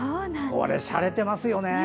しゃれてますよね！